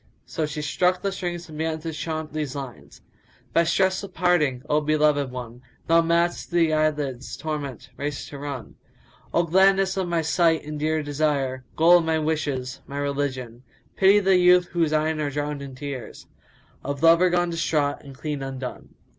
So she struck the strings and began to chaunt these lines, "By stress of parting, O beloved one, * Thou mad'st these eyelids torment race to run: Oh gladness of my sight and dear desire, * Goal of my wishes, my religion! Pity the youth whose eyne are drowned in tears * Of lover gone distraught and clean undone."